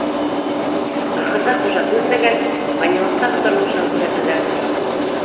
Ахырҙа Хужа түҙмәгән, фанилыҡтағы тормошон күрһәтеүҙәрен һораған.